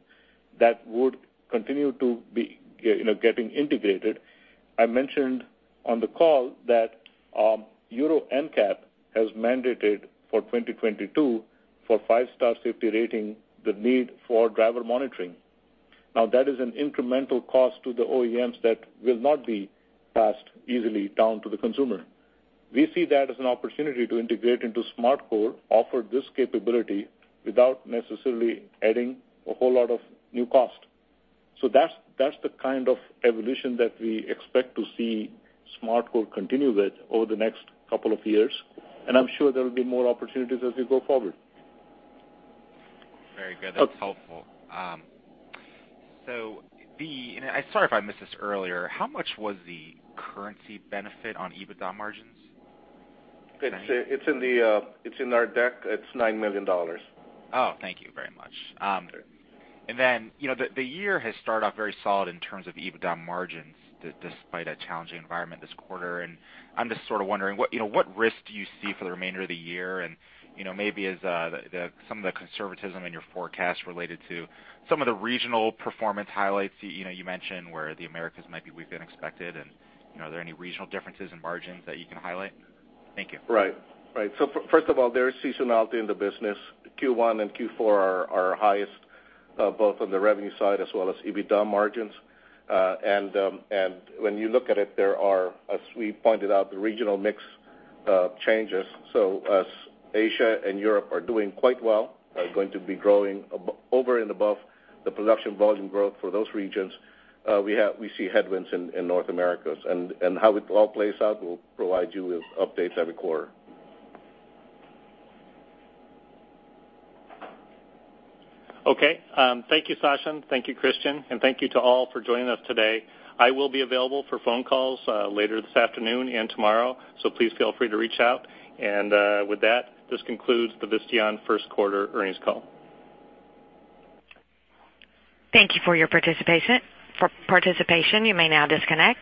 that would continue to be getting integrated. I mentioned on the call that Euro NCAP has mandated for 2022 for five-star safety rating, the need for driver monitoring. That is an incremental cost to the OEMs that will not be passed easily down to the consumer. We see that as an opportunity to integrate into SmartCore, offer this capability without necessarily adding a whole lot of new cost. That's the kind of evolution that we expect to see SmartCore continue with over the next couple of years, and I'm sure there will be more opportunities as we go forward. Very good. That's helpful. I'm sorry if I missed this earlier, how much was the currency benefit on EBITDA margins? It's in our deck. It's $9 million. Thank you very much. Then the year has started off very solid in terms of EBITDA margins, despite a challenging environment this quarter. I'm just sort of wondering, what risk do you see for the remainder of the year? Maybe is some of the conservatism in your forecast related to some of the regional performance highlights? You mentioned where the Americas might be weak than expected, and are there any regional differences in margins that you can highlight? Thank you. First of all, there is seasonality in the business. Q1 and Q4 are our highest, both on the revenue side as well as EBITDA margins. When you look at it, there are, as we pointed out, the regional mix changes. As Asia and Europe are doing quite well, are going to be growing over and above the production volume growth for those regions, we see headwinds in North America. How it all plays out, we'll provide you with updates every quarter. Okay. Thank you, Sachin. Thank you, Christian. Thank you to all for joining us today. I will be available for phone calls later this afternoon and tomorrow. Please feel free to reach out. With that, this concludes the Visteon first quarter earnings call. Thank you for your participation. You may now disconnect.